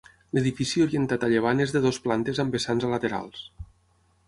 L'edifici orientat a llevant és de dues plantes amb vessants a laterals.